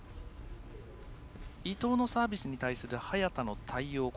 伊藤のサービスに対する早田の対応